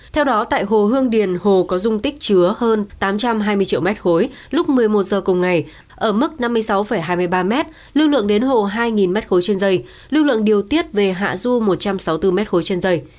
theo đó tại hồ hương điền hồ có dung tích chứa hơn tám trăm hai mươi triệu mét khối lúc một mươi một giờ cùng ngày ở mức năm mươi sáu hai mươi ba mét lưu lượng đến hồ hai mét khối trên dây lưu lượng điều tiết về hạ du một trăm sáu mươi bốn mét khối trên dây